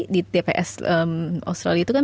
di tps australia itu kan